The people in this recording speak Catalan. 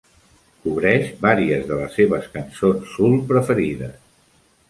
Cobreix varies de les seves cançons soul preferides.